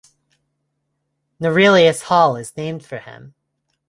Norelius Hall is named for him.